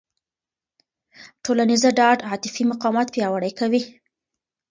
ټولنیزه ډاډ عاطفي مقاومت پیاوړی کوي.